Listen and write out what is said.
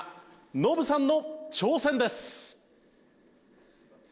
ノブさんの挑戦です。